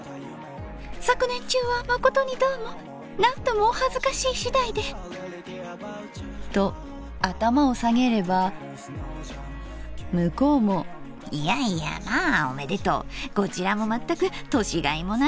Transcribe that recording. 昨年中はまことにどうも何ともおはずかしい次第で』と頭をさげれば向うも『イヤイヤまおめでとう。こちらもまったく年甲斐もない。